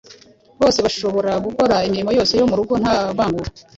bose bashobora gukora imirimo yose yo mu rugo nta vangura.